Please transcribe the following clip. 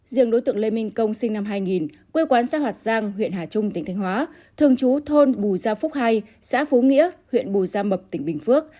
riêng đối tượng lê minh công sinh năm hai nghìn quê quán xã hoạt giang huyện hà trung tỉnh thanh hóa thường trú thôn bùi gia phúc hai xã phú nghĩa huyện bù gia mập tỉnh bình phước